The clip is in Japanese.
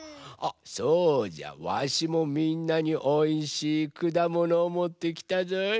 わしもみんなにおいしいくだものをもってきたぞい。